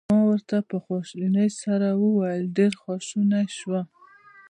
ما ورته په خواشینۍ سره وویل: ډېر خواشینی شوم.